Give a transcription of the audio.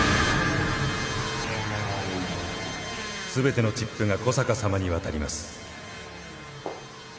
全てのチップが小坂さまに渡ります。